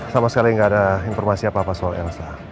sama sekali nggak ada informasi apa apa soal elsa